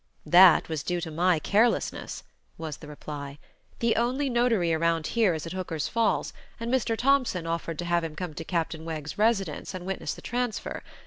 "That was due to my carelessness," was the reply. "The only notary around here is at Hooker's Falls, and Mr. Thompson offered to have him come to Captain Wegg's residence and witness the transfer.